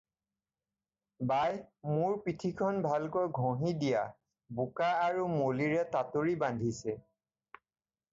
বাই, মোৰ পিঠিখন ভালকৈ ঘঁহি দিয়া, বোকা আৰু মলিৰে টাটৰি বান্ধিছে।